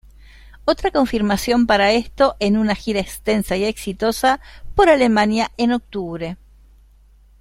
Otra confirmación para esto en una gira extensa y exitosa por Alemania en octubre.